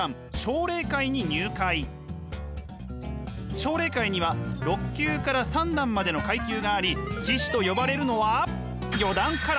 奨励会には６級から三段までの階級があり棋士と呼ばれるのは四段から。